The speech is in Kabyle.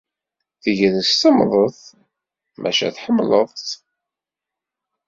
Tagrest semmḍet, maca tḥemmleḍ-tt.